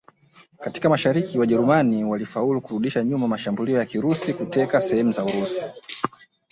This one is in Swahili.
Katika Mashariki Wajerumani walifaulu kurudisha nyuma mashambulio ya Kirusi na kuteka sehemu za Urusi